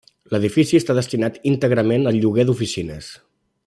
L'edifici està destinat íntegrament al lloguer d'oficines.